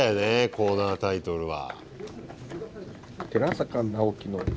コーナータイトルは。